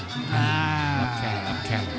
รับแค่งรับแค่ง